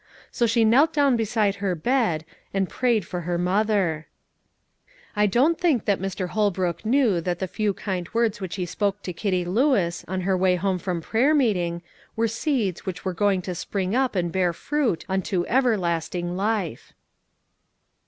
So she knelt down beside her bed, and prayed for her mother. I don't think Mr. Holbrook knew that the few kind words which he spoke to Kitty Lewis, on her way home from prayer meeting, were seeds which were going to spring up and bear fruit unto everlasting life.